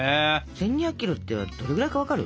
１，２００キロってどのくらいか分かる？